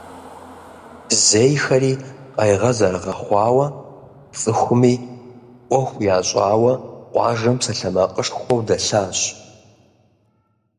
Зейхэри къайгъэ зэрыгъэхъуауэ, цӏыхуми ӏуэху ящӏауэ къуажэм псалъэмакъышхуэу дэлъащ.